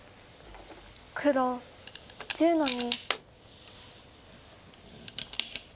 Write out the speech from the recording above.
黒１０の二。